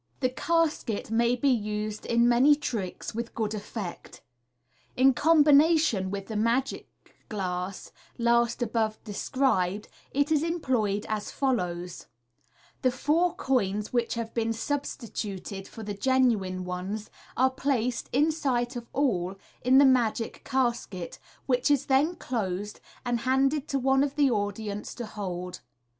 The casket may be used in many tricks with good effect. In combination with the magic glass, last above described, it is employed as follows :— The four coins which have been substituted for the genuine ones are placed, in sight of all, in the magic casket, which is then closed, and banded to one of the audience to hold.